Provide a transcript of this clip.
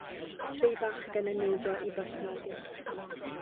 Tri bachgen yn neidio i bwll nofio.